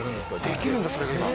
できるんだ、それが今。